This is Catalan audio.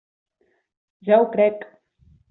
Ja ho crec!